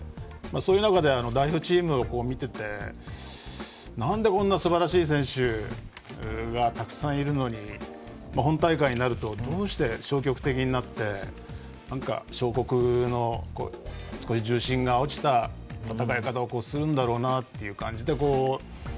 そういう中で代表チームを見ててなんで、こんなすばらしい選手がたくさんいるのに本大会になるとどうして消極的になって小国の少し重心が落ちた戦い方をするんだろうなという感じで。